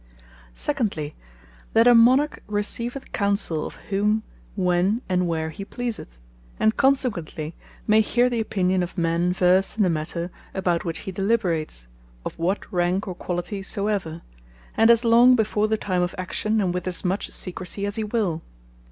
Secondly, that a Monarch receiveth counsell of whom, when, and where he pleaseth; and consequently may heare the opinion of men versed in the matter about which he deliberates, of what rank or quality soever, and as long before the time of action, and with as much secrecy, as he will.